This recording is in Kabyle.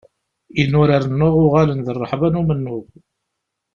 Inurar-nneɣ uɣalen d rreḥba n umennuɣ.